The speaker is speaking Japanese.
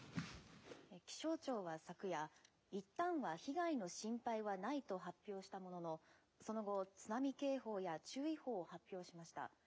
気象庁は昨夜、いったんは被害の心配はないと発表したものの、その後、津波警報や注意報を発表しました。